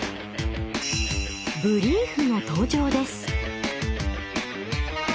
ブリーフの登場です。